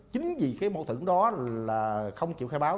chính vì cái mâu thửng đó là không chịu khai báo